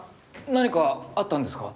何かあったんですか？